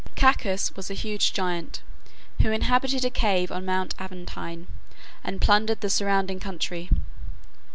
Cacus was a huge giant, who inhabited a cave on Mount Aventine, and plundered the surrounding country.